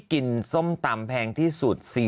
เช็ดแรงไปนี่